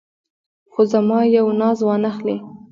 خو زما یو ناز وانه خلې.